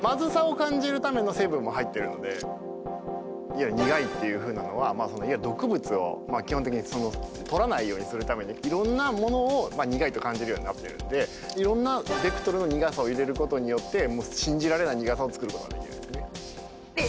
いわゆる苦いっていうふうなのは毒物を基本的にとらないようにするためにいろんなものを苦いと感じるようになってるんでいろんなベクトルの苦さを入れることによってもう信じられない苦さを作ることができるんですね。